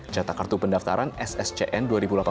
jatah kartu pendaftaran sscn dua ribu delapan belas